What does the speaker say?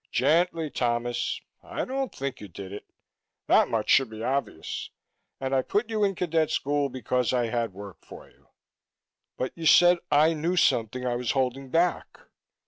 "Gently, Thomas. I don't think you did it that much should be obvious. And I put you in cadet school because I had work for you." "But you said I knew something I was holding back."